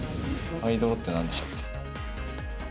ハイドロってなんでしたっけ？